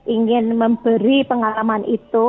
ingin memberi pengalaman itu